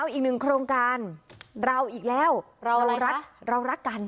อีกหนึ่งโครงการเราอีกแล้วเรารักเรารักกัน